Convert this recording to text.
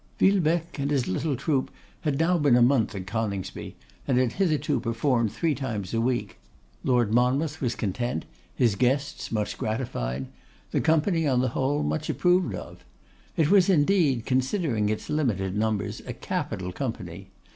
Villebecque and his little troop had now been a month at Coningsby, and had hitherto performed three times a week. Lord Monmouth was content; his guests much gratified; the company, on the whole, much approved of. It was, indeed, considering its limited numbers, a capital company.